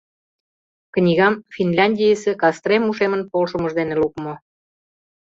Книгам Финляндийысе Кастрен ушемын полшымыж дене лукмо